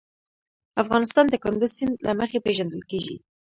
افغانستان د کندز سیند له مخې پېژندل کېږي.